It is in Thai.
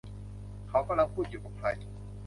เขากำลังพูดอยู่กับใคร